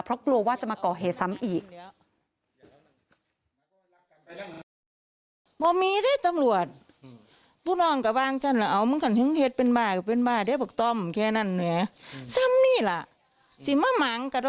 เพราะกลัวว่าจะมาก่อเหตุซ้ำอีก